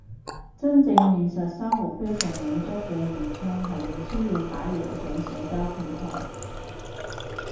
真正現實生活非常滿足嘅現充係唔需要擺嘢上社交平台